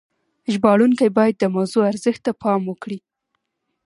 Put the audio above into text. ژباړونکي باید د موضوع ارزښت ته پام وکړي.